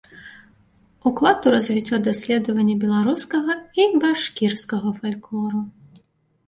Уклад у развіццё даследаванні беларускага і башкірскага фальклору.